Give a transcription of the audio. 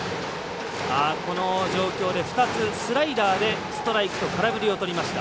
この状況で２つスライダーでストライクと空振りを取りました。